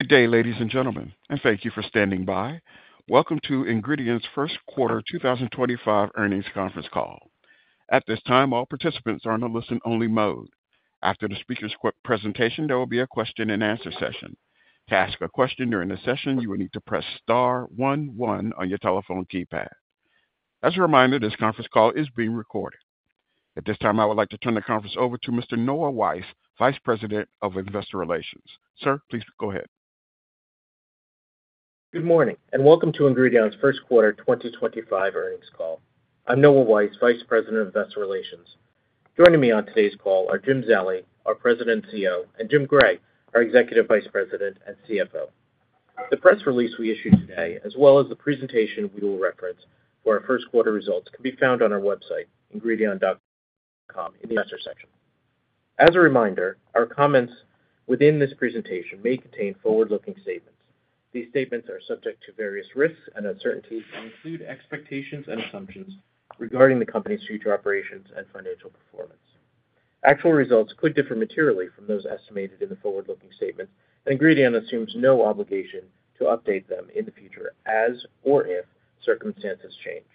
Good day, ladies and gentlemen, and thank you for standing by. Welcome to Ingredion's first quarter 2025 earnings conference call. At this time, all participants are in a listen-only mode. After the speaker's presentation, there will be a question-and-answer session. To ask a question during the session, you will need to press star one one on your telephone keypad. As a reminder, this conference call is being recorded. At this time, I would like to turn the conference over to Mr. Noah Weiss, Vice President of Investor Relations. Sir, please go ahead. Good morning and welcome to Ingredion's first quarter 2025 earnings call. I'm Noah Weiss, Vice President of Investor Relations. Joining me on today's call are Jim Zallie, our President and CEO, and Jim Gray, our Executive Vice President and CFO. The press release we issued today, as well as the presentation we will reference for our first quarter results, can be found on our website, ingredion.com, in the investor section. As a reminder, our comments within this presentation may contain forward-looking statements. These statements are subject to various risks and uncertainties and include expectations and assumptions regarding the company's future operations and financial performance. Actual results could differ materially from those estimated in the forward-looking statements, and Ingredion assumes no obligation to update them in the future as or if circumstances change.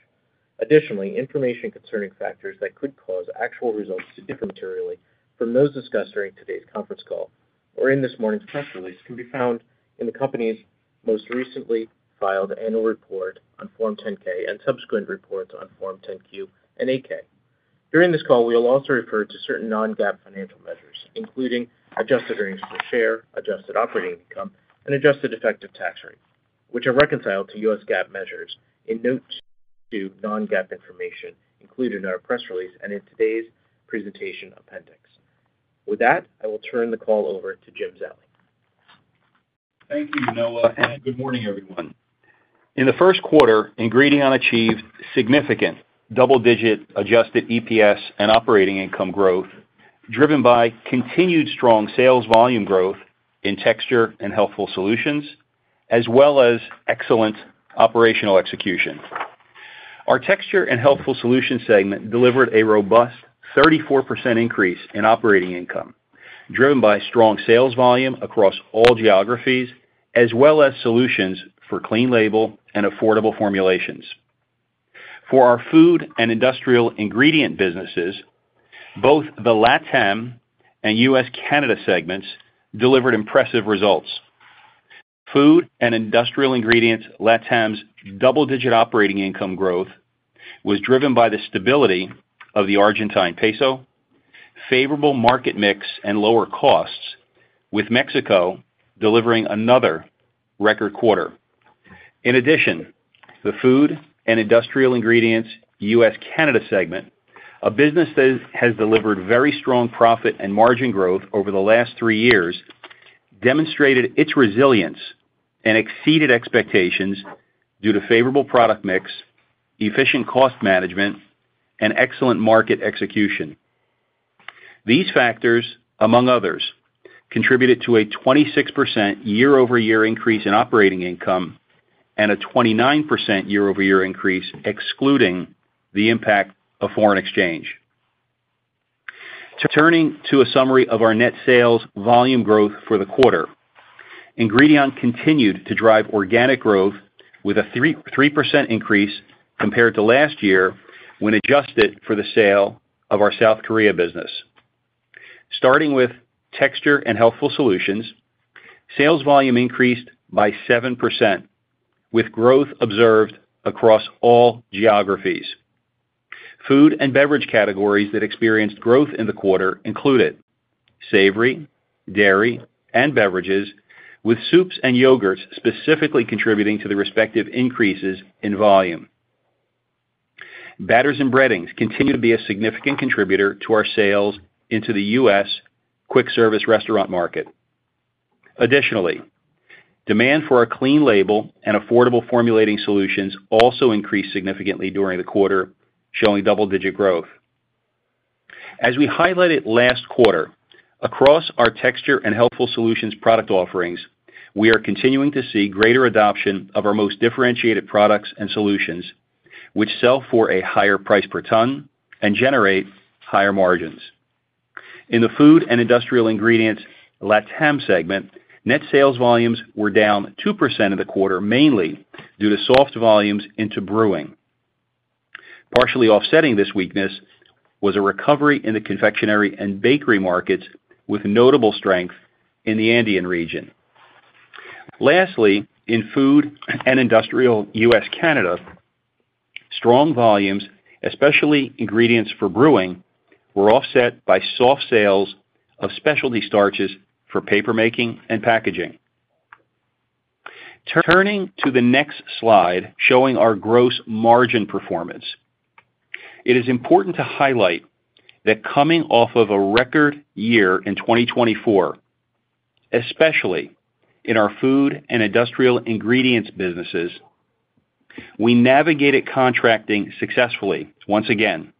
Additionally, information concerning factors that could cause actual results to differ materially from those discussed during today's conference call or in this morning's press release can be found in the company's most recently filed annual report on Form 10-K and subsequent reports on Form 10-Q and 8-K. During this call, we will also refer to certain non-GAAP financial measures, including adjusted earnings per share, adjusted operating income, and adjusted effective tax rate, which are reconciled to U.S. GAAP measures in note to non-GAAP information included in our press release and in today's presentation appendix. With that, I will turn the call over to Jim Zallie. Thank you, Noah, and good morning, everyone. In the first quarter, Ingredion achieved significant double-digit adjusted EPS and operating income growth driven by continued strong sales volume growth in texture and healthful solutions, as well as excellent operational execution. Our texture and healthful solutions segment delivered a robust 34% increase in operating income driven by strong sales volume across all geographies, as well as solutions for clean label and affordable formulations. For our food and industrial ingredient businesses, both the LATAM and U.S., Canada segments delivered impressive results. Food and industrial ingredients LATAM's double-digit operating income growth was driven by the stability of the Argentine peso, favorable market mix, and lower costs, with Mexico delivering another record quarter. In addition, the food and industrial ingredients U.S. Canada segment, a business that has delivered very strong profit and margin growth over the last three years, demonstrated its resilience and exceeded expectations due to favorable product mix, efficient cost management, and excellent market execution. These factors, among others, contributed to a 26% year-over-year increase in operating income and a 29% year-over-year increase, excluding the impact of foreign exchange. Turning to a summary of our net sales volume growth for the quarter, Ingredion continued to drive organic growth with a 3% increase compared to last year when adjusted for the sale of our South Korea business. Starting with texture and healthful solutions, sales volume increased by 7%, with growth observed across all geographies. Food and beverage categories that experienced growth in the quarter included savory, dairy, and beverages, with soups and yogurts specifically contributing to the respective increases in volume. Batters and breadings continue to be a significant contributor to our sales into the U.S. quick service restaurant market. Additionally, demand for a clean label and affordable formulating solutions also increased significantly during the quarter, showing double-digit growth. As we highlighted last quarter, across our texture and healthful solutions product offerings, we are continuing to see greater adoption of our most differentiated products and solutions, which sell for a higher price per ton and generate higher margins. In the food and industrial ingredients LATAM segment, net sales volumes were down 2% in the quarter, mainly due to soft volumes into brewing. Partially offsetting this weakness was a recovery in the confectionery and bakery markets, with notable strength in the Andean region. Lastly, in food and industrial U.S. Canada, strong volumes, especially ingredients for brewing, were offset by soft sales of specialty starches for papermaking and packaging. Turning to the next slide showing our gross margin performance, it is important to highlight that coming off of a record year in 2024, especially in our food and industrial ingredients businesses, we navigated contracting successfully once again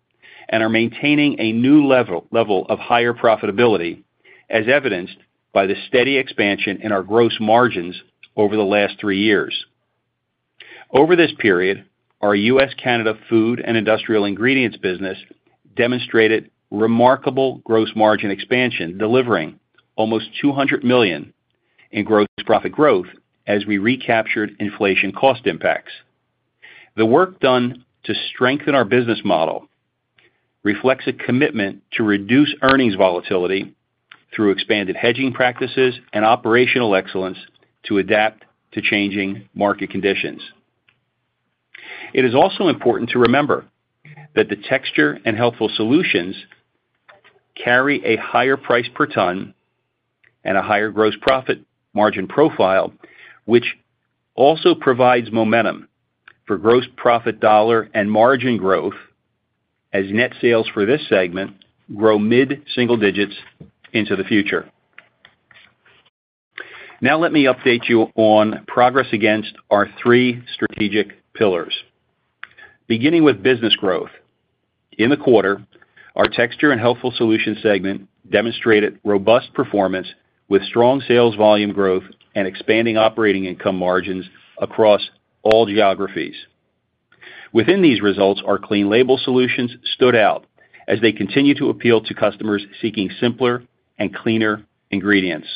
and are maintaining a new level of higher profitability, as evidenced by the steady expansion in our gross margins over the last three years. Over this period, our U.S. Canada food and industrial ingredients business demonstrated remarkable gross margin expansion, delivering almost $200 million in gross profit growth as we recaptured inflation cost impacts. The work done to strengthen our business model reflects a commitment to reduce earnings volatility through expanded hedging practices and operational excellence to adapt to changing market conditions. It is also important to remember that the texture and healthful solutions carry a higher price per ton and a higher gross profit margin profile, which also provides momentum for gross profit dollar and margin growth as net sales for this segment grow mid-single digits into the future. Now let me update you on progress against our three strategic pillars, beginning with business growth. In the quarter, our texture and healthful solutions segment demonstrated robust performance with strong sales volume growth and expanding operating income margins across all geographies. Within these results, our clean label solutions stood out as they continue to appeal to customers seeking simpler and cleaner ingredients.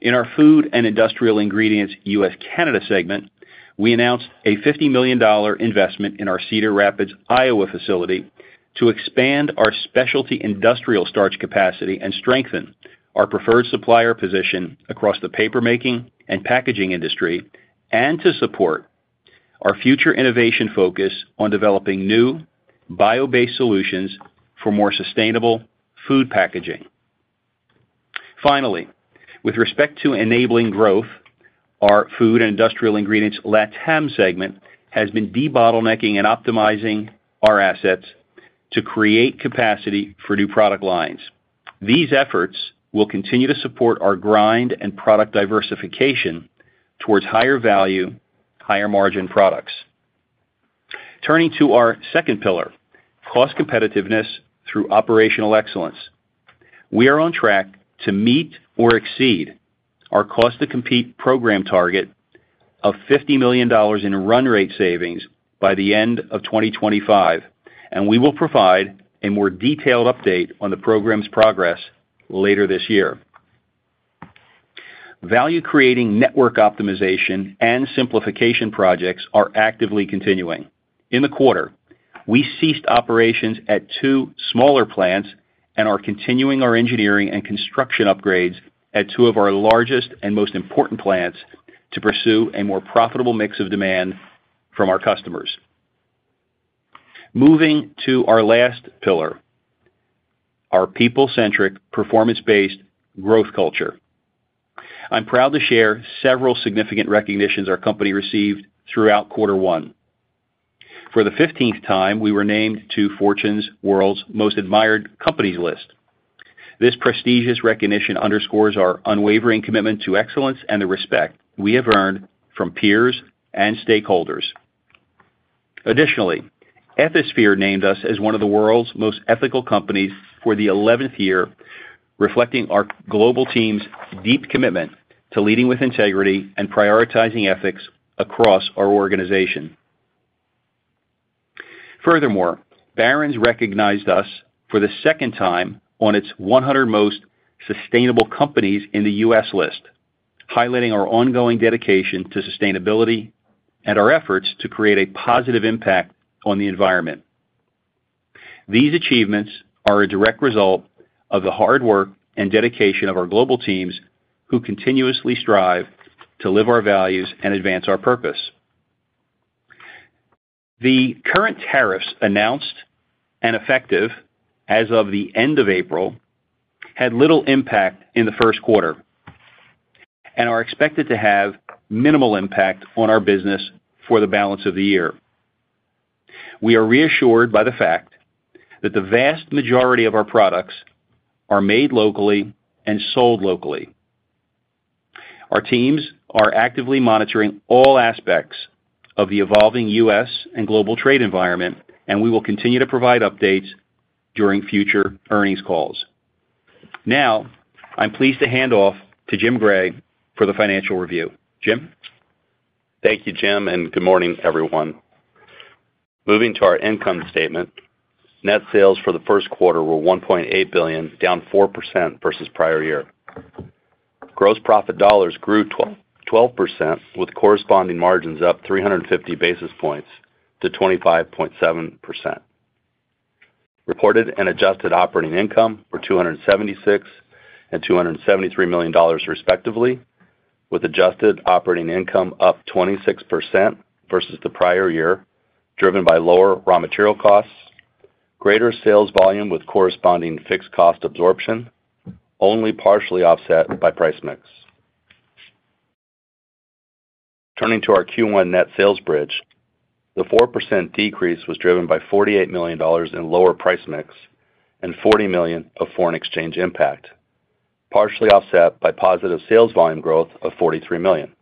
In our food and industrial ingredients U.S. Canada segment, we announced a $50 million investment in our Cedar Rapids, Iowa facility to expand our specialty industrial starch capacity and strengthen our preferred supplier position across the papermaking and packaging industry and to support our future innovation focus on developing new bio-based solutions for more sustainable food packaging. Finally, with respect to enabling growth, our food and industrial ingredients LATAM segment has been debottlenecking and optimizing our assets to create capacity for new product lines. These efforts will continue to support our grind and product diversification towards higher value, higher margin products. Turning to our second pillar, cost competitiveness through operational excellence, we are on track to meet or exceed our cost-to-compete program target of $50 million in run rate savings by the end of 2025, and we will provide a more detailed update on the program's progress later this year. Value-creating network optimization and simplification projects are actively continuing. In the quarter, we ceased operations at two smaller plants and are continuing our engineering and construction upgrades at two of our largest and most important plants to pursue a more profitable mix of demand from our customers. Moving to our last pillar, our people-centric, performance-based growth culture. I'm proud to share several significant recognitions our company received throughout quarter one. For the 15th time, we were named to Fortune's World's Most Admired Companies list. This prestigious recognition underscores our unwavering commitment to excellence and the respect we have earned from peers and stakeholders. Additionally, Ethisphere named us as one of the world's most ethical companies for the 11th year, reflecting our global team's deep commitment to leading with integrity and prioritizing ethics across our organization. Furthermore, Barron's recognized us for the second time on its 100 Most Sustainable Companies in the U.S. list, highlighting our ongoing dedication to sustainability and our efforts to create a positive impact on the environment. These achievements are a direct result of the hard work and dedication of our global teams who continuously strive to live our values and advance our purpose. The current tariffs, announced and effective as of the end of April, had little impact in the first quarter and are expected to have minimal impact on our business for the balance of the year. We are reassured by the fact that the vast majority of our products are made locally and sold locally. Our teams are actively monitoring all aspects of the evolving U.S. and global trade environment, and we will continue to provide updates during future earnings calls. Now, I'm pleased to hand off to Jim Gray for the financial review. Jim? Thank you, Jim, and good morning, everyone. Moving to our income statement, net sales for the first quarter were $1.8 billion, down 4% versus prior year. Gross profit dollars grew 12%, with corresponding margins up 350 basis points to 25.7%. Reported and adjusted operating income were $276 million and $273 million, respectively, with adjusted operating income up 26% versus the prior year, driven by lower raw material costs, greater sales volume with corresponding fixed cost absorption, only partially offset by price mix. Turning to our Q1 net sales bridge, the 4% decrease was driven by $48 million in lower price mix and $40 million of foreign exchange impact, partially offset by positive sales volume growth of $43 million.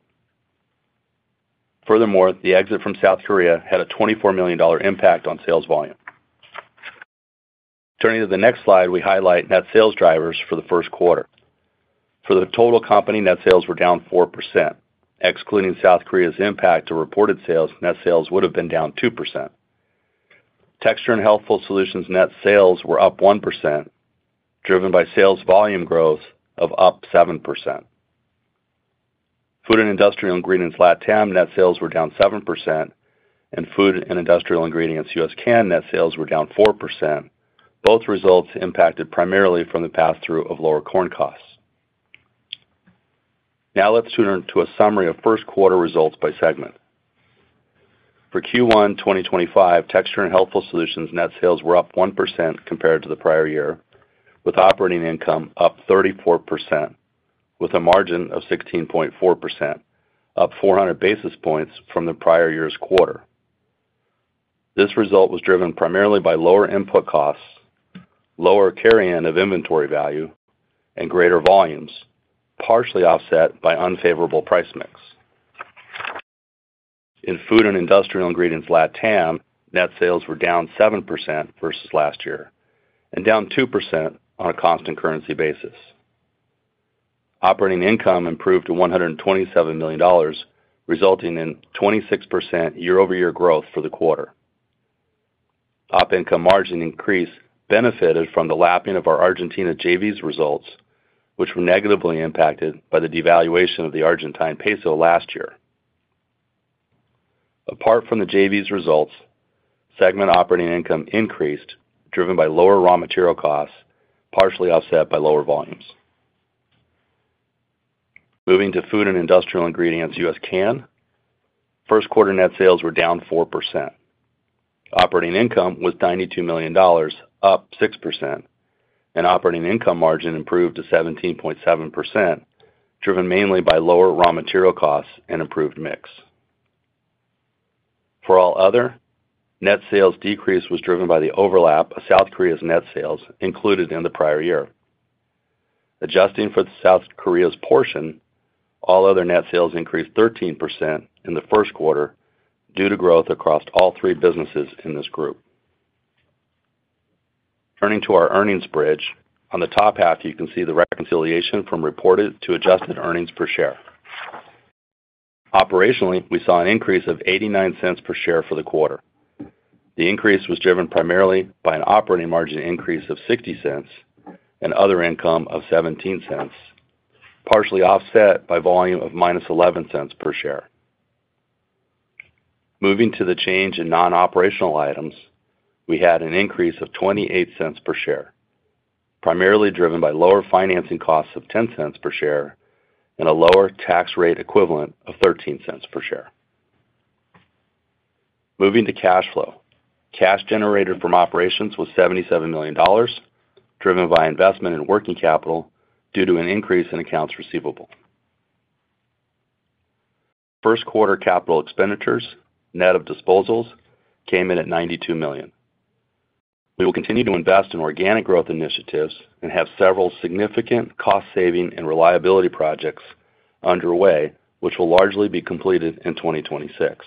Furthermore, the exit from South Korea had a $24 million impact on sales volume. Turning to the next slide, we highlight net sales drivers for the first quarter. For the total company, net sales were down 4%. Excluding South Korea's impact to reported sales, net sales would have been down 2%. Texture and healthful solutions net sales were up 1%, driven by sales volume growth of up 7%. Food and industrial ingredients LATAM net sales were down 7%, and food and industrial ingredients U.S. CAN net sales were down 4%. Both results impacted primarily from the pass-through of lower corn costs. Now let's turn to a summary of first quarter results by segment. For Q1 2025, texture and healthful solutions net sales were up 1% compared to the prior year, with operating income up 34%, with a margin of 16.4%, up 400 basis points from the prior year's quarter. This result was driven primarily by lower input costs, lower carry-on of inventory value, and greater volumes, partially offset by unfavorable price mix. In food and industrial ingredients LATAM, net sales were down 7% versus last year and down 2% on a constant currency basis. Operating income improved to $127 million, resulting in 26% year-over-year growth for the quarter. Operating income margin increase benefited from the lapping of our Argentina joint venture's results, which were negatively impacted by the devaluation of the Argentine peso last year. Apart from the joint venture's results, segment operating income increased, driven by lower raw material costs, partially offset by lower volumes. Moving to food and industrial ingredients U.S. CAN, first quarter net sales were down 4%. Operating income was $92 million, up 6%, and operating income margin improved to 17.7%, driven mainly by lower raw material costs and improved mix. For all other, net sales decrease was driven by the overlap of South Korea's net sales included in the prior year. Adjusting for South Korea's portion, all other net sales increased 13% in the first quarter due to growth across all three businesses in this group. Turning to our earnings bridge, on the top half, you can see the reconciliation from reported to adjusted earnings per share. Operationally, we saw an increase of $0.89 per share for the quarter. The increase was driven primarily by an operating margin increase of $0.60 and other income of $0.17, partially offset by volume of minus $0.11 per share. Moving to the change in non-operational items, we had an increase of $0.28 per share, primarily driven by lower financing costs of $0.10 per share and a lower tax rate equivalent of $0.13 per share. Moving to cash flow, cash generated from operations was $77 million, driven by investment in working capital due to an increase in accounts receivable. First quarter capital expenditures, net of disposals, came in at $92 million. We will continue to invest in organic growth initiatives and have several significant cost-saving and reliability projects underway, which will largely be completed in 2026.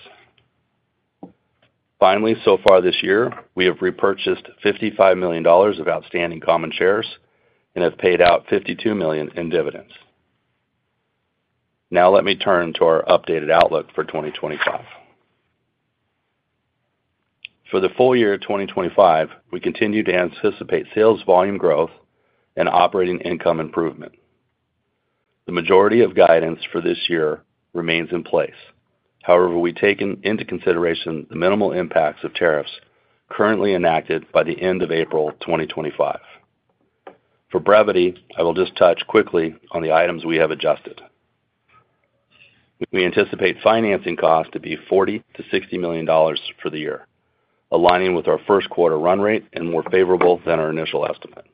Finally, so far this year, we have repurchased $55 million of outstanding common shares and have paid out $52 million in dividends. Now let me turn to our updated outlook for 2025. For the full year 2025, we continue to anticipate sales volume growth and operating income improvement. The majority of guidance for this year remains in place. However, we take into consideration the minimal impacts of tariffs currently enacted by the end of April 2025. For brevity, I will just touch quickly on the items we have adjusted. We anticipate financing costs to be $40 million-$60 million for the year, aligning with our first quarter run rate and more favorable than our initial estimate.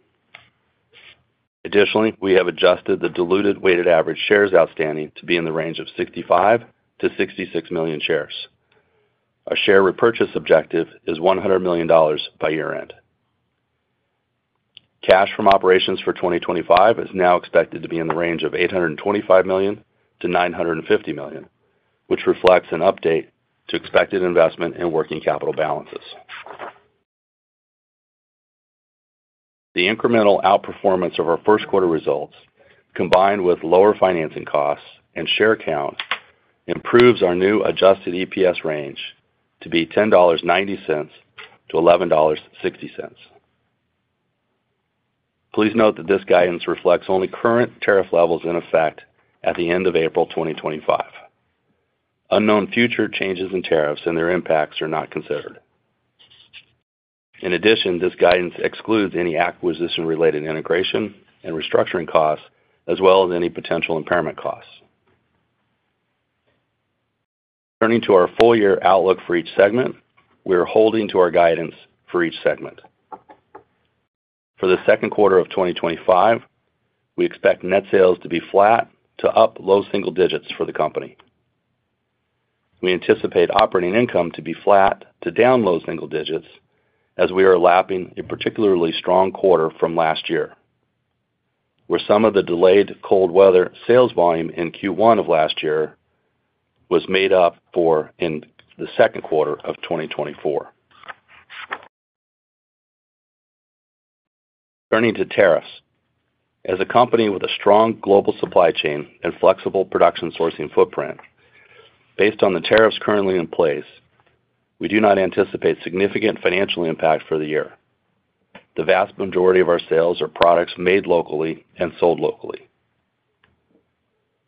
Additionally, we have adjusted the diluted weighted average shares outstanding to be in the range of $65 million-$66 million shares. Our share repurchase objective is $100 million by year-end. Cash from operations for 2025 is now expected to be in the range of $825 million-$950 million, which reflects an update to expected investment and working capital balances. The incremental outperformance of our first quarter results, combined with lower financing costs and share count, improves our new adjusted EPS range to be $10.90-$11.60. Please note that this guidance reflects only current tariff levels in effect at the end of April 2025. Unknown future changes in tariffs and their impacts are not considered. In addition, this guidance excludes any acquisition-related integration and restructuring costs, as well as any potential impairment costs. Turning to our full year outlook for each segment, we are holding to our guidance for each segment. For the second quarter of 2025, we expect net sales to be flat to up low single digits for the company. We anticipate operating income to be flat to down low single digits as we are lapping a particularly strong quarter from last year, where some of the delayed cold weather sales volume in Q1 of last year was made up for in the second quarter of 2024. Turning to tariffs, as a company with a strong global supply chain and flexible production sourcing footprint, based on the tariffs currently in place, we do not anticipate significant financial impact for the year. The vast majority of our sales are products made locally and sold locally.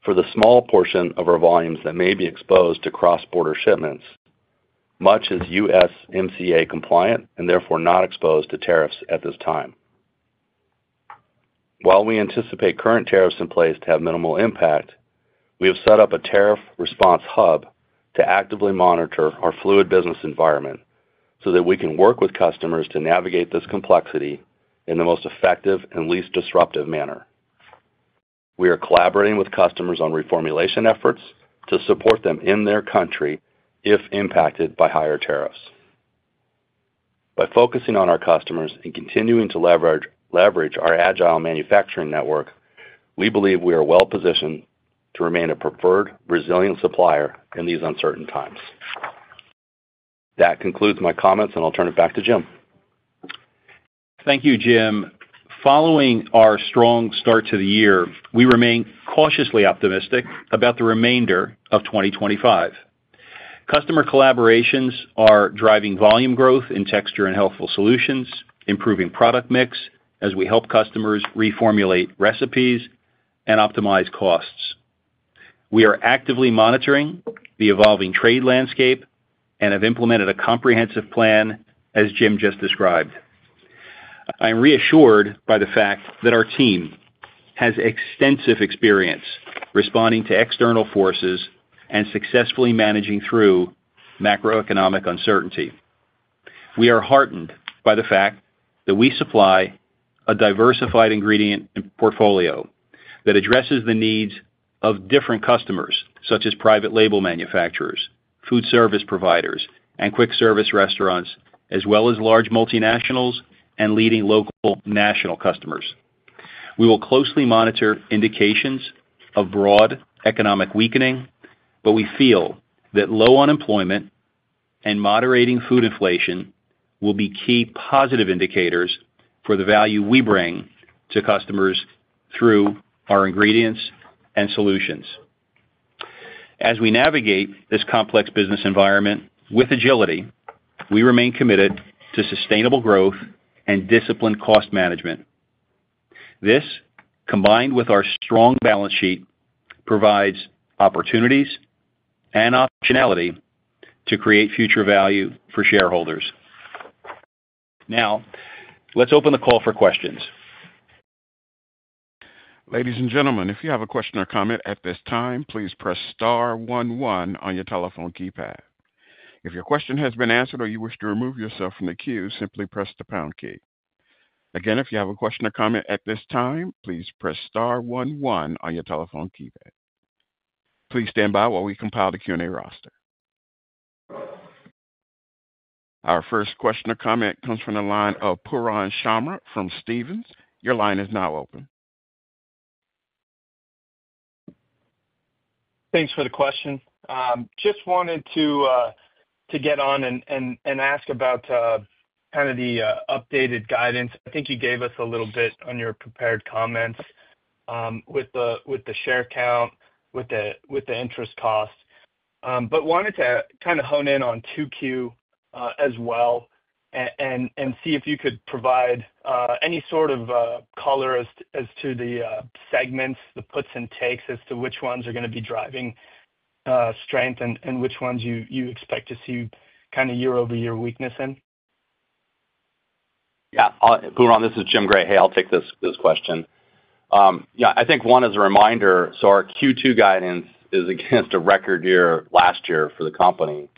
For the small portion of our volumes that may be exposed to cross-border shipments, much is USMCA compliant and therefore not exposed to tariffs at this time. While we anticipate current tariffs in place to have minimal impact, we have set up a tariff response hub to actively monitor our fluid business environment so that we can work with customers to navigate this complexity in the most effective and least disruptive manner. We are collaborating with customers on reformulation efforts to support them in their country if impacted by higher tariffs. By focusing on our customers and continuing to leverage our agile manufacturing network, we believe we are well positioned to remain a preferred resilient supplier in these uncertain times. That concludes my comments, and I'll turn it back to Jim. Thank you, Jim. Following our strong start to the year, we remain cautiously optimistic about the remainder of 2025. Customer collaborations are driving volume growth in texture and healthful solutions, improving product mix as we help customers reformulate recipes and optimize costs. We are actively monitoring the evolving trade landscape and have implemented a comprehensive plan, as Jim just described. I am reassured by the fact that our team has extensive experience responding to external forces and successfully managing through macroeconomic uncertainty. We are heartened by the fact that we supply a diversified ingredient portfolio that addresses the needs of different customers, such as private label manufacturers, food service providers, and quick service restaurants, as well as large multinationals and leading local national customers. We will closely monitor indications of broad economic weakening, but we feel that low unemployment and moderating food inflation will be key positive indicators for the value we bring to customers through our ingredients and solutions. As we navigate this complex business environment with agility, we remain committed to sustainable growth and disciplined cost management. This, combined with our strong balance sheet, provides opportunities and optionality to create future value for shareholders. Now, let's open the call for questions. Ladies and gentlemen, if you have a question or comment at this time, please press star one one on your telephone keypad. If your question has been answered or you wish to remove yourself from the queue, simply press the pound key. Again, if you have a question or comment at this time, please press star one one on your telephone keypad. Please stand by while we compile the Q&A roster. Our first question or comment comes from the line of Pooran Sharma from Stephens. Your line is now open. Thanks for the question. Just wanted to get on and ask about kind of the updated guidance. I think you gave us a little bit on your prepared comments with the share count, with the interest cost. Wanted to kind of hone in on Q2 as well and see if you could provide any sort of color as to the segments, the puts and takes as to which ones are going to be driving strength and which ones you expect to see kind of year-over-year weakness in. Yeah. Purun, this is Jim Gray. Hey, I'll take this question. Yeah, I think one as a reminder, our Q2 guidance is against a record year last year for the company,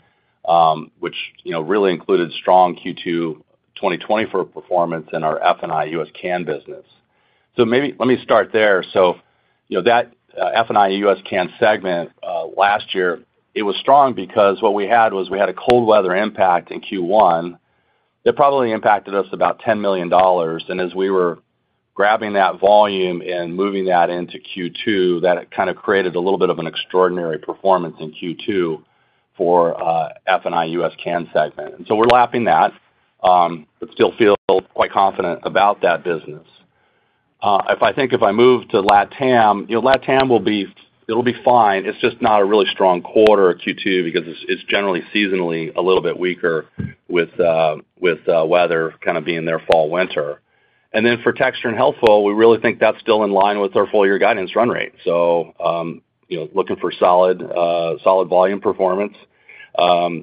which really included strong Q2 2024 performance in our F&I U.S., CAN business. Let me start there. That F&I US CAN segment last year, it was strong because what we had was we had a cold weather impact in Q1 that probably impacted us about $10 million. As we were grabbing that volume and moving that into Q2, that kind of created a little bit of an extraordinary performance in Q2 for F&I U.S. CAN segment. We are lapping that, but still feel quite confident about that business. I think if I move to LATAM, LATAM will be fine. It's just not a really strong quarter Q2 because it's generally seasonally a little bit weaker with weather kind of being their fall, winter. For texture and healthful, we really think that's still in line with our full year guidance run rate. Looking for solid volume performance,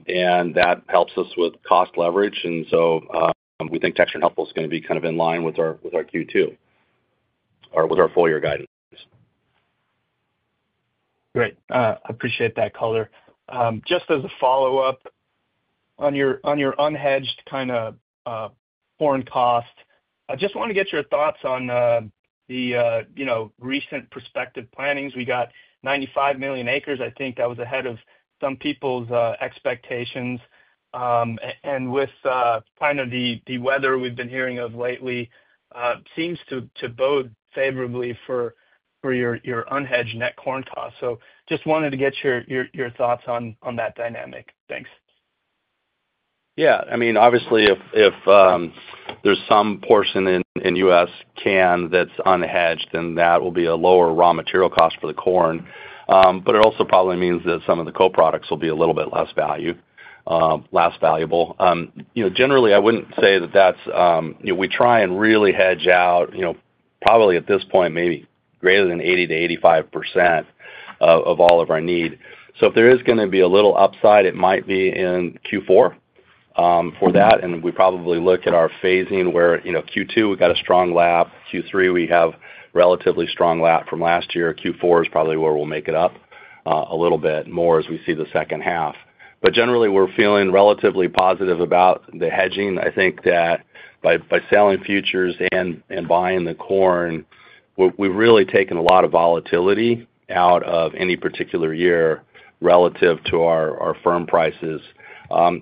and that helps us with cost leverage. We think texture and healthful is going to be kind of in line with our Q2 or with our full year guidance. Great. I appreciate that color. Just as a follow-up on your unhedged kind of foreign cost, I just want to get your thoughts on the recent prospective plannings. We got 95 million acres, I think that was ahead of some people's expectations. With kind of the weather we have been hearing of lately, seems to bode favorably for your unhedged net corn costs. Just wanted to get your thoughts on that dynamic. Thanks. Yeah. I mean, obviously, if there's some portion in U.S. CAN that's unhedged, then that will be a lower raw material cost for the corn. But it also probably means that some of the co-products will be a little bit less valuable. Generally, I wouldn't say that that's—we try and really hedge out probably at this point, maybe greater than 80%-85% of all of our need. If there is going to be a little upside, it might be in Q4 for that. We probably look at our phasing where Q2 we've got a strong lap. Q3 we have relatively strong lap from last year. Q4 is probably where we'll make it up a little bit more as we see the second half. Generally, we're feeling relatively positive about the hedging. I think that by selling futures and buying the corn, we've really taken a lot of volatility out of any particular year relative to our firm prices,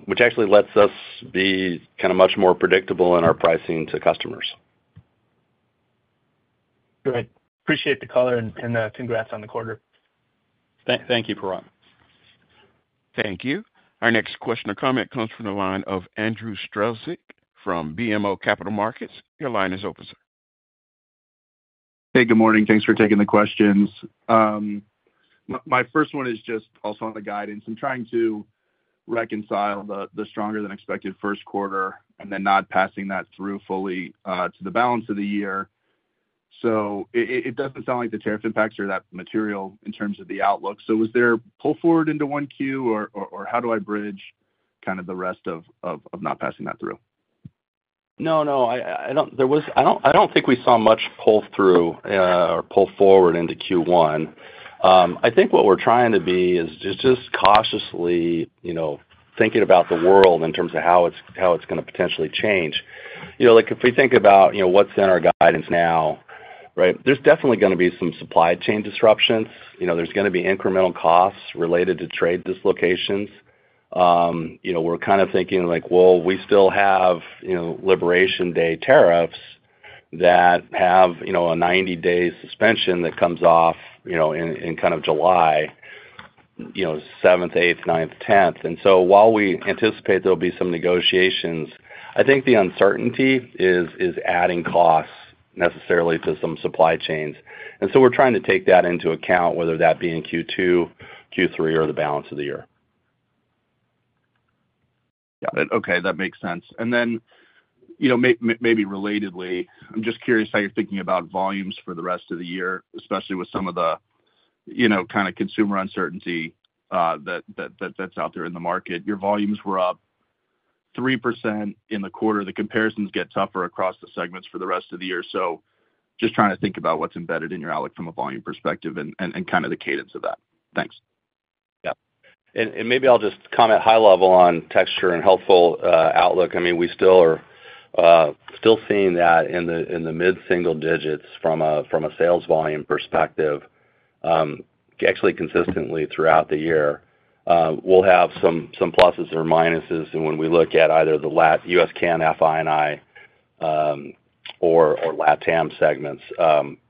which actually lets us be kind of much more predictable in our pricing to customers. Great. Appreciate the color and congrats on the quarter. Thank you, Pooran. Thank you. Our next question or comment comes from the line of Andrew Strelzik from BMO Capital Markets. Your line is open, sir. Hey, good morning. Thanks for taking the questions. My first one is just also on the guidance. I'm trying to reconcile the stronger-than-expected first quarter and then not passing that through fully to the balance of the year. It does not sound like the tariff impacts are that material in terms of the outlook. Was there pull forward into one Q, or how do I bridge kind of the rest of not passing that through? No, no. I do not think we saw much pull through or pull forward into Q1. I think what we are trying to be is just cautiously thinking about the world in terms of how it is going to potentially change. If we think about what is in our guidance now, right, there is definitely going to be some supply chain disruptions. There is going to be incremental costs related to trade dislocations. We are kind of thinking like, well, we still have Liberation Day tariffs that have a 90-day suspension that comes off in kind of July 7th, 8th, 9th, 10th. While we anticipate there will be some negotiations, I think the uncertainty is adding costs necessarily to some supply chains. We are trying to take that into account, whether that be in Q2, Q3, or the balance of the year. Got it. Okay. That makes sense. Maybe relatedly, I am just curious how you are thinking about volumes for the rest of the year, especially with some of the kind of consumer uncertainty that is out there in the market. Your volumes were up 3% in the quarter. The comparisons get tougher across the segments for the rest of the year. Just trying to think about what is embedded in your outlook from a volume perspective and kind of the cadence of that. Thanks. Yeah. Maybe I'll just comment high level on texture and healthful outlook. I mean, we still are still seeing that in the mid-single digits from a sales volume perspective, actually consistently throughout the year. We'll have some pluses or minuses when we look at either the U.S., CAN, F&I, or LATAM segments.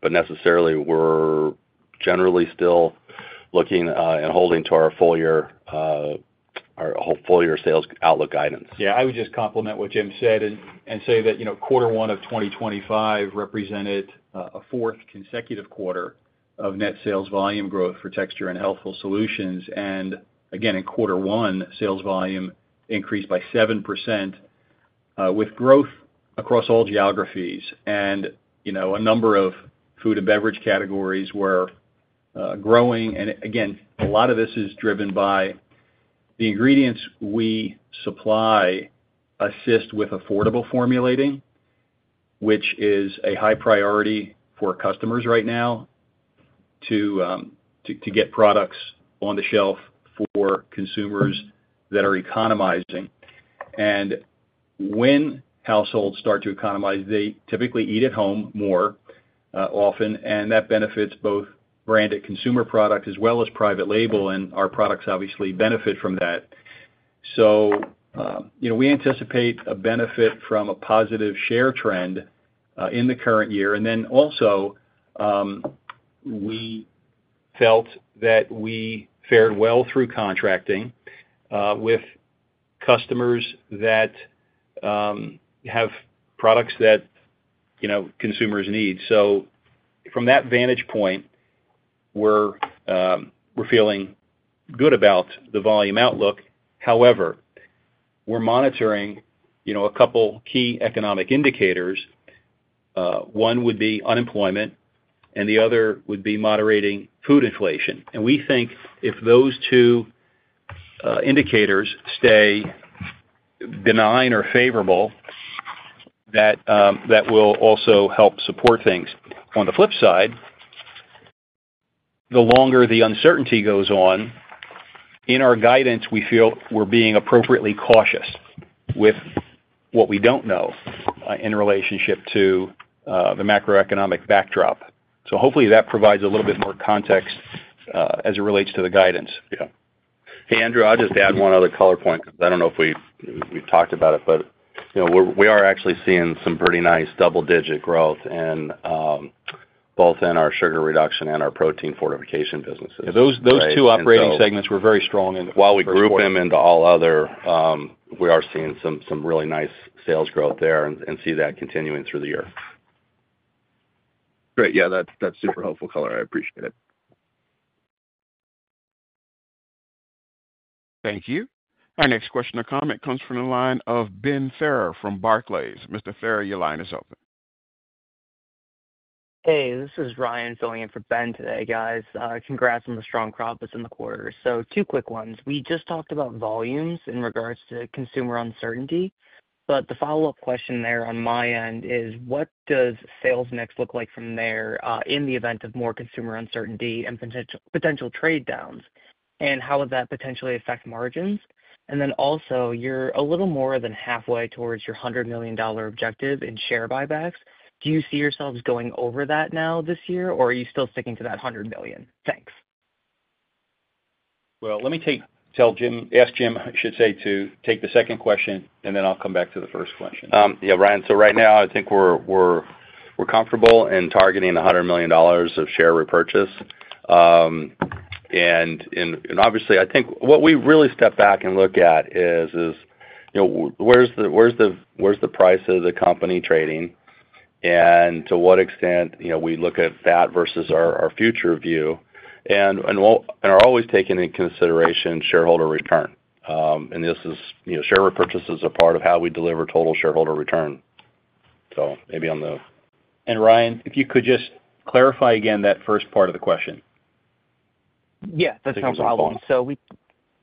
Necessarily, we're generally still looking and holding to our full year sales outlook guidance. Yeah. I would just complement what Jim said and say that quarter one of 2025 represented a fourth consecutive quarter of net sales volume growth for texture and healthful solutions. Again, in quarter one, sales volume increased by 7% with growth across all geographies. A number of food and beverage categories were growing. Again, a lot of this is driven by the ingredients we supply assist with affordable formulating, which is a high priority for customers right now to get products on the shelf for consumers that are economizing. When households start to economize, they typically eat at home more often. That benefits both branded consumer products as well as private label. Our products obviously benefit from that. We anticipate a benefit from a positive share trend in the current year. We felt that we fared well through contracting with customers that have products that consumers need. From that vantage point, we're feeling good about the volume outlook. However, we're monitoring a couple key economic indicators. One would be unemployment, and the other would be moderating food inflation. We think if those two indicators stay benign or favorable, that will also help support things. On the flip side, the longer the uncertainty goes on, in our guidance, we feel we're being appropriately cautious with what we do not know in relationship to the macroeconomic backdrop. Hopefully, that provides a little bit more context as it relates to the guidance. Yeah. Hey, Andrew, I'll just add one other color point because I don't know if we've talked about it, but we are actually seeing some pretty nice double-digit growth in both our sugar reduction and our protein fortification businesses. Yeah. Those two operating segments were very strong. While we group them into all other, we are seeing some really nice sales growth there and see that continuing through the year. Great. Yeah. That's super helpful color. I appreciate it. Thank you. Our next question or comment comes from the line of Ben Ferrer from Barclays. Mr. Ferrer, your line is open. Hey, this is Ryan filling in for Ben today, guys. Congrats on the strong crop that's in the quarter. Two quick ones. We just talked about volumes in regards to consumer uncertainty. The follow-up question there on my end is, what does sales next look like from there in the event of more consumer uncertainty and potential trade downs? How would that potentially affect margins? Also, you're a little more than halfway towards your $100 million objective in share buybacks. Do you see yourselves going over that now this year, or are you still sticking to that $100 million? Thanks. Let me ask Jim, I should say, to take the second question, and then I'll come back to the first question. Yeah, Ryan. Right now, I think we're comfortable in targeting the $100 million of share repurchase. Obviously, I think what we really step back and look at is, where's the price of the company trading? To what extent we look at that versus our future view? We're always taking into consideration shareholder return. Share repurchase is a part of how we deliver total shareholder return. Maybe on the. Ryan, if you could just clarify again that first part of the question. Yeah. That sounds helpful. So we.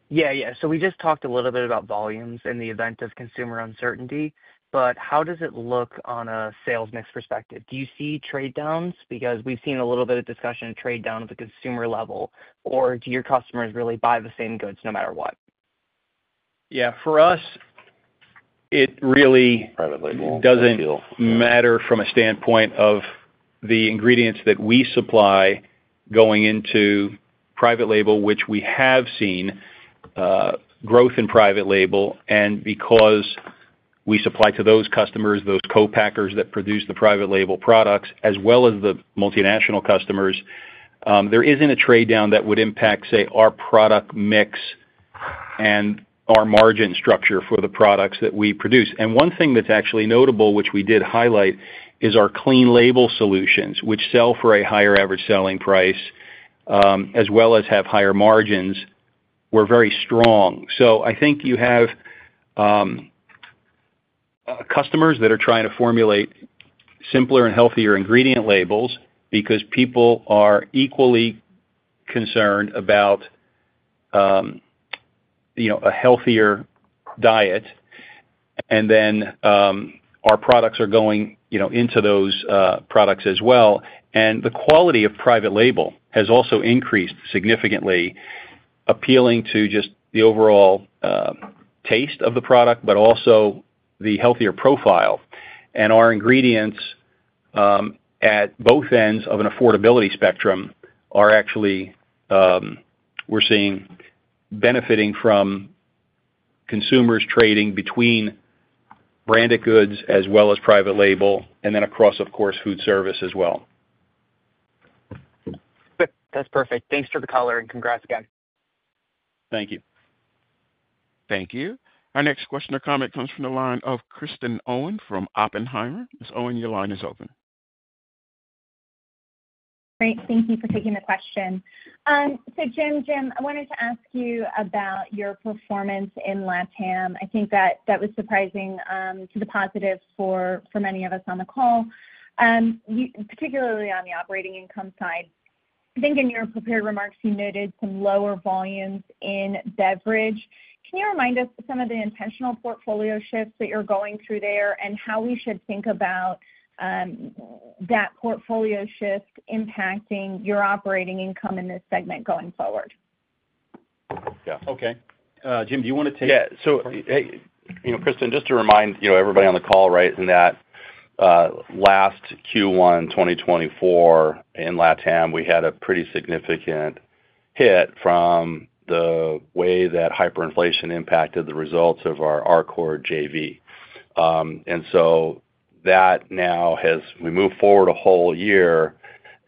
Yeah. Yeah. So we just talked a little bit about volumes in the event of consumer uncertainty. How does it look on a sales mix perspective? Do you see trade downs? Because we've seen a little bit of discussion of trade down at the consumer level. Do your customers really buy the same goods no matter what? Yeah. For us, it really does not matter from a standpoint of the ingredients that we supply going into private label, which we have seen growth in private label. Because we supply to those customers, those co-packers that produce the private label products, as well as the multinational customers, there is not a trade down that would impact, say, our product mix and our margin structure for the products that we produce. One thing that is actually notable, which we did highlight, is our clean label solutions, which sell for a higher average selling price as well as have higher margins, were very strong. I think you have customers that are trying to formulate simpler and healthier ingredient labels because people are equally concerned about a healthier diet. Our products are going into those products as well. The quality of private label has also increased significantly, appealing to just the overall taste of the product, but also the healthier profile. Our ingredients at both ends of an affordability spectrum are actually, we are seeing, benefiting from consumers trading between branded goods as well as private label, and then across, of course, food service as well. That's perfect. Thanks for the color and congrats, guys. Thank you. Thank you. Our next question or comment comes from the line of Kristen Owen from Oppenheimer. Ms. Owen, your line is open. Great. Thank you for taking the question. Jim, I wanted to ask you about your performance in LATAM. I think that was surprising to the positive for many of us on the call, particularly on the operating income side. I think in your prepared remarks, you noted some lower volumes in beverage. Can you remind us of some of the intentional portfolio shifts that you're going through there and how we should think about that portfolio shift impacting your operating income in this segment going forward? Yeah. Okay. Jim, do you want to take the first part? Yeah. So hey, Kristen, just to remind everybody on the call, right, in that last Q1 2024 in LATAM, we had a pretty significant hit from the way that hyperinflation impacted the results of our Arcor JV. And so that now has we moved forward a whole year.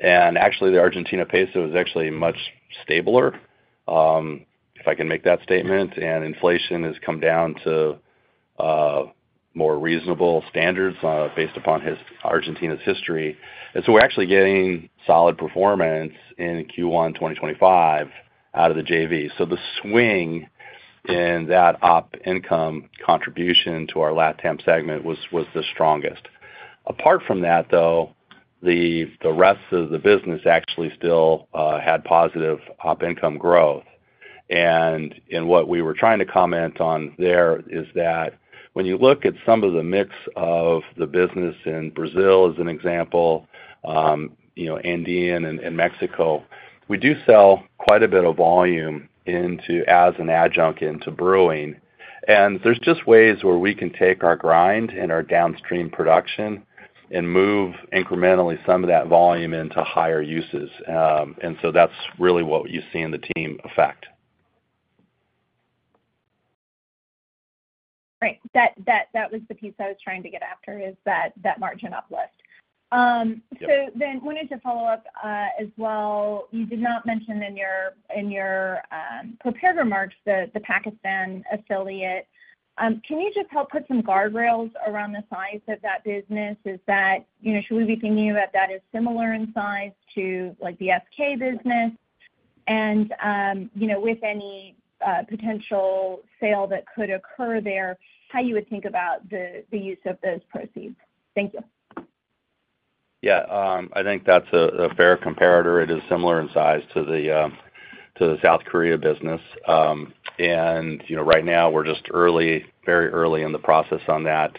And actually, the Argentine peso is actually much stabler, if I can make that statement. And inflation has come down to more reasonable standards based upon Argentina's history. And so we're actually getting solid performance in Q1 2025 out of the JV. The swing in that op income contribution to our LATAM segment was the strongest. Apart from that, though, the rest of the business actually still had positive op income growth. What we were trying to comment on there is that when you look at some of the mix of the business in Brazil, as an example, Andean and Mexico, we do sell quite a bit of volume as an adjunct into brewing. There are just ways where we can take our grind and our downstream production and move incrementally some of that volume into higher uses. That is really what you see in the team effect. Right. That was the piece I was trying to get after, is that margin uplift. I wanted to follow up as well. You did not mention in your prepared remarks the Pakistan affiliate. Can you just help put some guardrails around the size of that business? Should we be thinking about that as similar in size to the South Korea business? With any potential sale that could occur there, how would you think about the use of those proceeds? Thank you. Yeah. I think that's a fair comparator. It is similar in size to the South Korea business. Right now, we're just very early in the process on that.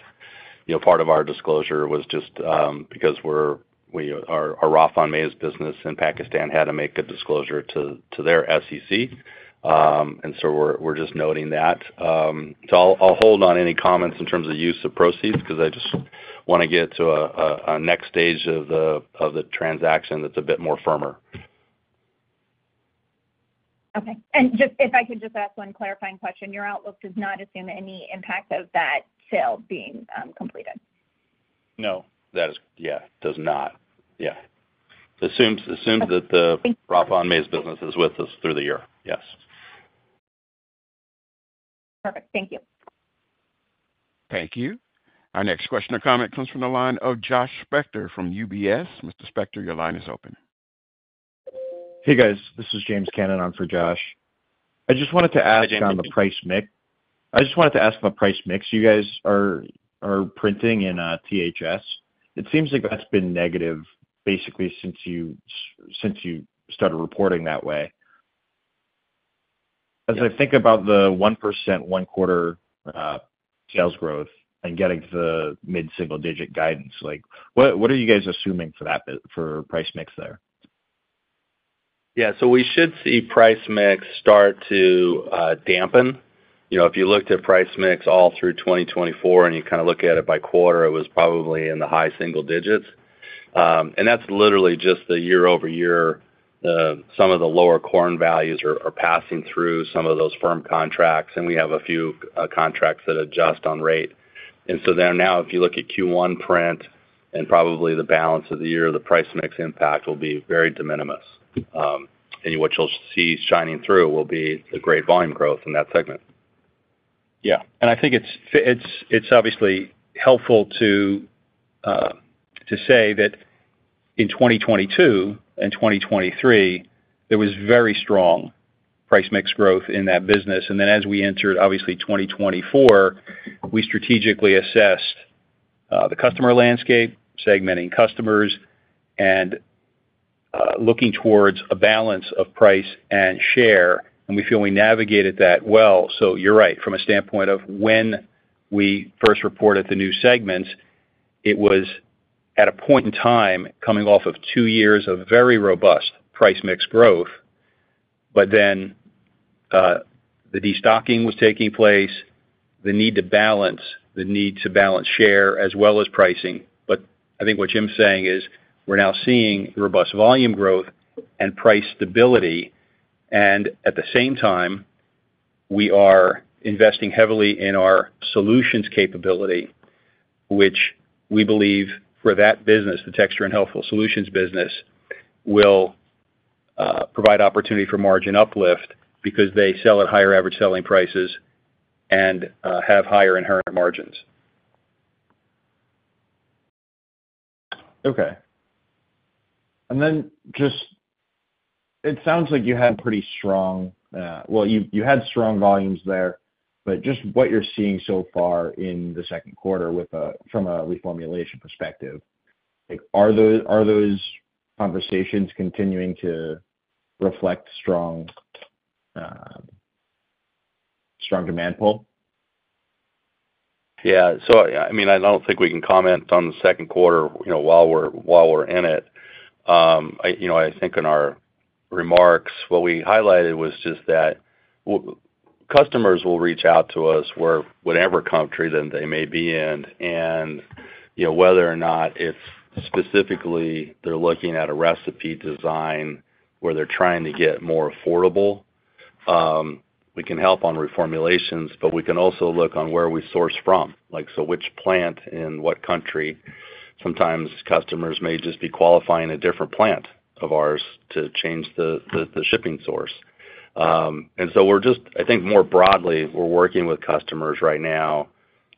Part of our disclosure was just because our Rothman-Mays business in Pakistan had to make a disclosure to their SEC. We're just noting that. I'll hold on any comments in terms of use of proceeds because I just want to get to a next stage of the transaction that's a bit more firmer. Okay. If I could just ask one clarifying question, your outlook does not assume any impact of that sale being completed? No. Yeah. Does not. Yeah. Assumes that the Rothman-Mays business is with us through the year. Yes. Perfect. Thank you. Thank you. Our next question or comment comes from the line of Josh Spector from UBS. Mr. Spector, your line is open. Hey, guys. This is James Cannon on for Josh. I just wanted to ask on the price mix. I just wanted to ask about price mix you guys are printing in THS. It seems like that's been negative basically since you started reporting that way. As I think about the 1% one-quarter sales growth and getting to the mid-single-digit guidance, what are you guys assuming for price mix there? Yeah. We should see price mix start to dampen. If you looked at price mix all through 2024 and you kind of look at it by quarter, it was probably in the high single digits. That is literally just the year-over-year. Some of the lower corn values are passing through some of those firm contracts. We have a few contracts that adjust on rate. Now, if you look at Q1 print and probably the balance of the year, the price mix impact will be very de minimis. What you will see shining through will be the great volume growth in that segment. Yeah. I think it's obviously helpful to say that in 2022 and 2023, there was very strong price mix growth in that business. As we entered, obviously, 2024, we strategically assessed the customer landscape, segmenting customers, and looking towards a balance of price and share. We feel we navigated that well. You're right. From a standpoint of when we first reported the new segments, it was at a point in time coming off of two years of very robust price mix growth. The destocking was taking place, the need to balance, the need to balance share as well as pricing. I think what Jim's saying is we're now seeing robust volume growth and price stability. At the same time, we are investing heavily in our solutions capability, which we believe for that business, the texture and healthful solutions business, will provide opportunity for margin uplift because they sell at higher average selling prices and have higher inherent margins. Okay. It sounds like you had pretty strong, well, you had strong volumes there. Just what you're seeing so far in the second quarter from a reformulation perspective, are those conversations continuing to reflect strong demand pull? Yeah. I mean, I do not think we can comment on the second quarter while we are in it. I think in our remarks, what we highlighted was just that customers will reach out to us wherever country they may be in. Whether or not it is specifically they are looking at a recipe design where they are trying to get more affordable, we can help on reformulations, but we can also look on where we source from. Which plant in what country? Sometimes customers may just be qualifying a different plant of ours to change the shipping source. I think, more broadly, we are working with customers right now.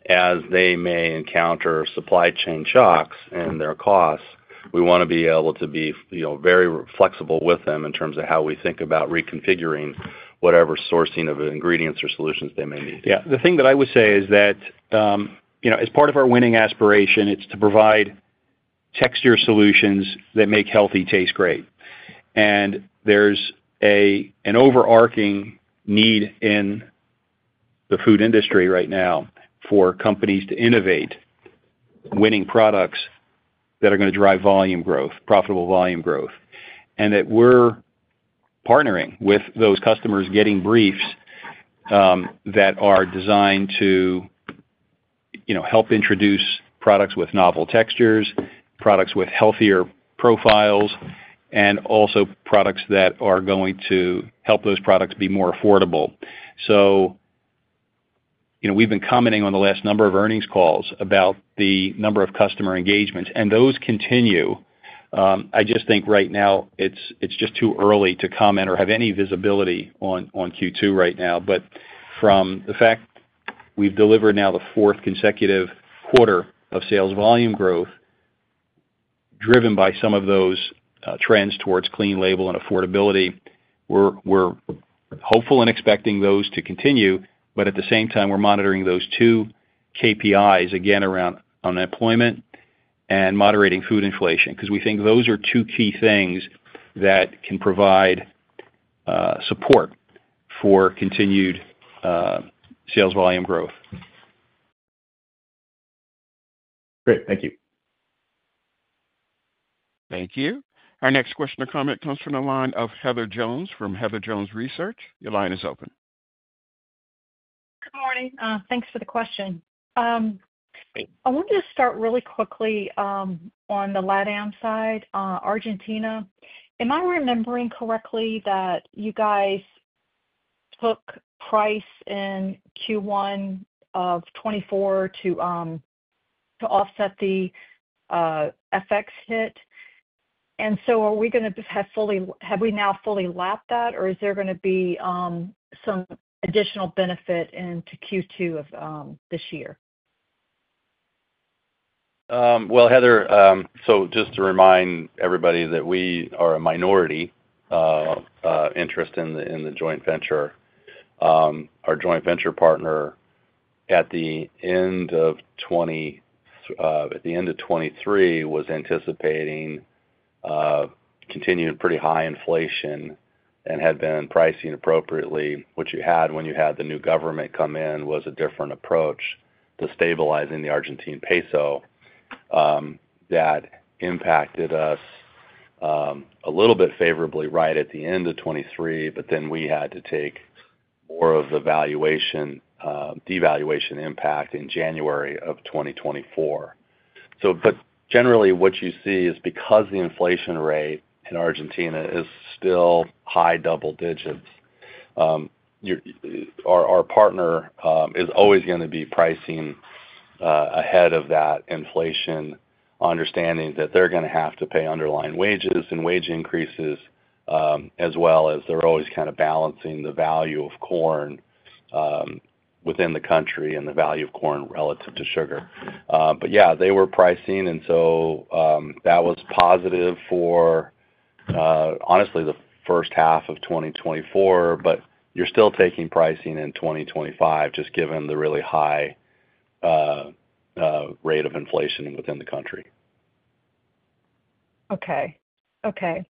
As they may encounter supply chain shocks and their costs, we want to be able to be very flexible with them in terms of how we think about reconfiguring whatever sourcing of ingredients or solutions they may need. Yeah. The thing that I would say is that as part of our winning aspiration, it is to provide texture solutions that make healthy taste great. There is an overarching need in the food industry right now for companies to innovate winning products that are going to drive profitable volume growth. We are partnering with those customers, getting briefs that are designed to help introduce products with novel textures, products with healthier profiles, and also products that are going to help those products be more affordable. We have been commenting on the last number of earnings calls about the number of customer engagements. Those continue. I just think right now, it is just too early to comment or have any visibility on Q2 right now. From the fact we have delivered now the fourth consecutive quarter of sales volume growth driven by some of those trends towards clean label and affordability, we are hopeful and expecting those to continue. At the same time, we are monitoring those two KPIs, again, around unemployment and moderating food inflation because we think those are two key things that can provide support for continued sales volume growth. Great. Thank you. Thank you. Our next question or comment comes from the line of Heather Jones from Heather Jones Research. Your line is open. Good morning. Thanks for the question. I wanted to start really quickly on the LATAM side, Argentina. Am I remembering correctly that you guys took price in Q1 of 2024 to offset the FX hit? And so are we going to have fully have we now fully lapped that, or is there going to be some additional benefit into Q2 of this year? Heather, just to remind everybody that we are a minority interest in the joint venture. Our joint venture partner at the end of 2023 was anticipating continued pretty high inflation and had been pricing appropriately, which you had when you had the new government come in, was a different approach to stabilizing the Argentine peso that impacted us a little bit favorably right at the end of 2023, but then we had to take more of the devaluation impact in January of 2024. Generally, what you see is because the inflation rate in Argentina is still high double digits, our partner is always going to be pricing ahead of that inflation, understanding that they're going to have to pay underlying wages and wage increases, as well as they're always kind of balancing the value of corn within the country and the value of corn relative to sugar. Yeah, they were pricing, and that was positive for, honestly, the first half of 2024, but you're still taking pricing in 2025 just given the really high rate of inflation within the country. Okay. Okay.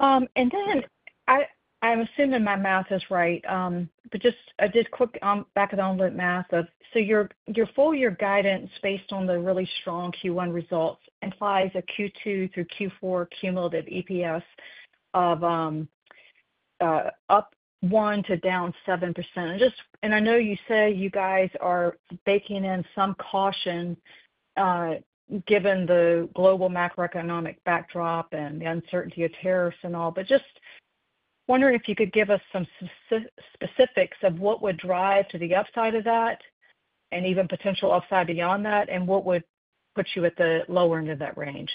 I am assuming my math is right, but just a quick back of the envelope math of your full-year guidance based on the really strong Q1 results implies a Q2-Q4 cumulative EPS of up 1% to down 7%. I know you say you guys are baking in some caution given the global macroeconomic backdrop and the uncertainty of tariffs and all, but just wondering if you could give us some specifics of what would drive to the upside of that and even potential upside beyond that, and what would put you at the lower end of that range.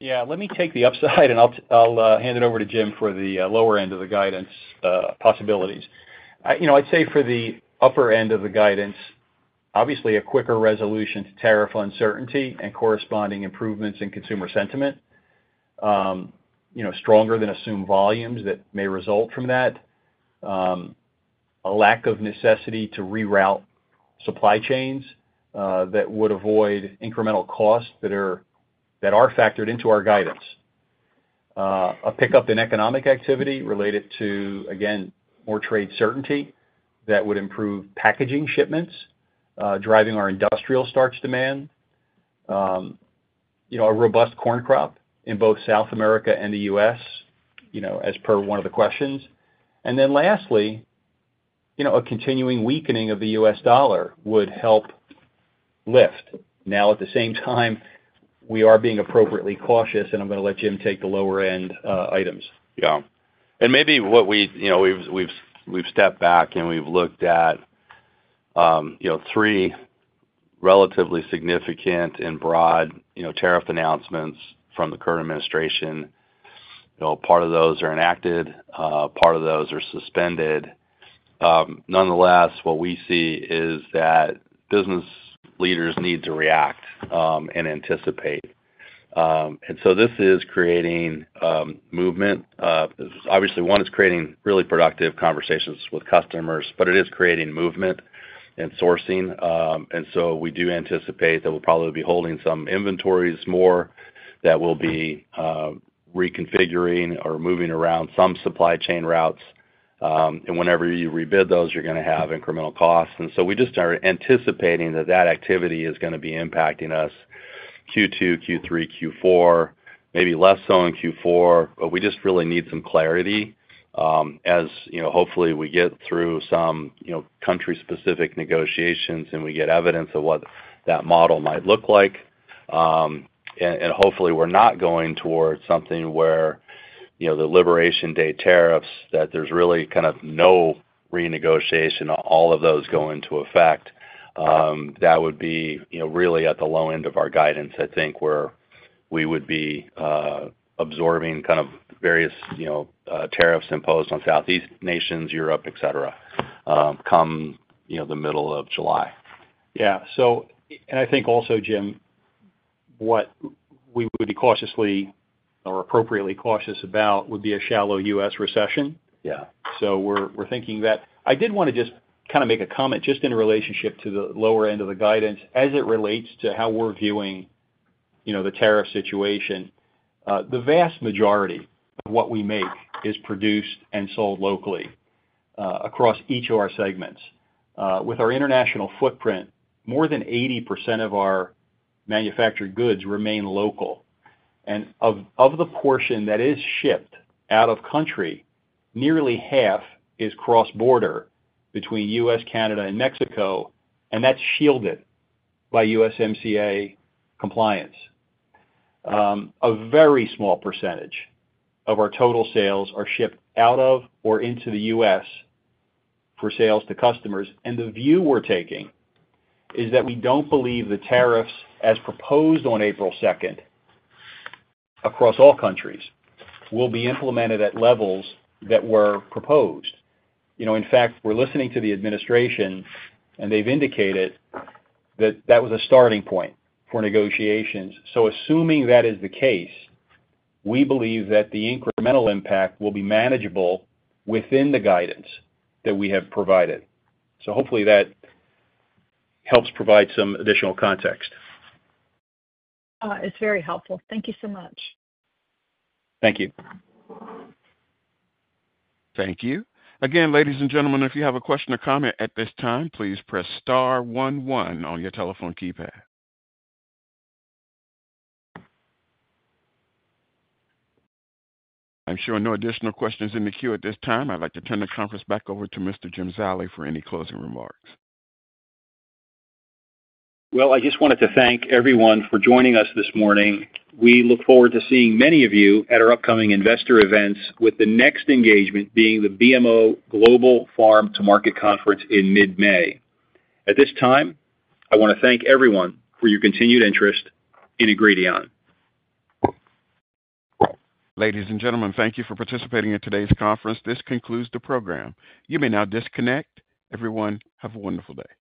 Yeah. Let me take the upside, and I'll hand it over to Jim for the lower end of the guidance possibilities. I'd say for the upper end of the guidance, obviously, a quicker resolution to tariff uncertainty and corresponding improvements in consumer sentiment, stronger than assumed volumes that may result from that, a lack of necessity to reroute supply chains that would avoid incremental costs that are factored into our guidance, a pickup in economic activity related to, again, more trade certainty that would improve packaging shipments, driving our industrial starch demand, a robust corn crop in both South America and the U.S., as per one of the questions. Lastly, a continuing weakening of the U.S. dollar would help lift. Now, at the same time, we are being appropriately cautious, and I'm going to let Jim take the lower-end items. Yeah. Maybe what we've stepped back and we've looked at are three relatively significant and broad tariff announcements from the current administration. Part of those are enacted. Part of those are suspended. Nonetheless, what we see is that business leaders need to react and anticipate. This is creating movement. Obviously, one is creating really productive conversations with customers, but it is creating movement in sourcing. We do anticipate that we'll probably be holding some inventories more, that we'll be reconfiguring or moving around some supply chain routes. Whenever you rebid those, you're going to have incremental costs. We just are anticipating that that activity is going to be impacting us Q2, Q3, Q4, maybe less so in Q4, but we just really need some clarity as hopefully we get through some country-specific negotiations and we get evidence of what that model might look like. Hopefully, we are not going towards something where the liberation day tariffs, that there is really kind of no renegotiation, all of those go into effect. That would be really at the low end of our guidance, I think, where we would be absorbing kind of various tariffs imposed on Southeast nations, Europe, etc., come the middle of July. Yeah. I think also, Jim, what we would be cautiously or appropriately cautious about would be a shallow U.S. recession. We're thinking that. I did want to just kind of make a comment just in relationship to the lower end of the guidance as it relates to how we're viewing the tariff situation. The vast majority of what we make is produced and sold locally across each of our segments. With our international footprint, more than 80% of our manufactured goods remain local. Of the portion that is shipped out of country, nearly half is cross-border between U.S., Canada, and Mexico, and that's shielded by USMCA compliance. A very small percentage of our total sales are shipped out of or into the U.S. for sales to customers. The view we're taking is that we do not believe the tariffs as proposed on April 2nd across all countries will be implemented at levels that were proposed. In fact, we are listening to the administration, and they have indicated that that was a starting point for negotiations. Assuming that is the case, we believe that the incremental impact will be manageable within the guidance that we have provided. Hopefully, that helps provide some additional context. It's very helpful. Thank you so much. Thank you. Thank you. Again, ladies and gentlemen, if you have a question or comment at this time, please press star one one on your telephone keypad. I'm showing no additional questions in the queue at this time. I'd like to turn the conference back over to Mr. Jim Zallie for any closing remarks. I just wanted to thank everyone for joining us this morning. We look forward to seeing many of you at our upcoming investor events, with the next engagement being the BMO Global Farm to Market Conference in mid-May. At this time, I want to thank everyone for your continued interest in Ingredion. Ladies and gentlemen, thank you for participating in today's conference. This concludes the program. You may now disconnect. Everyone, have a wonderful day.